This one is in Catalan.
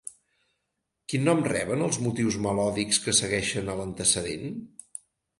Quin nom reben els motius melòdics que segueixen a l'antecedent?